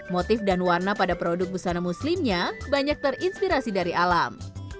motif dan warna pada produk busana muslimnya banyak terinspirasi dari alam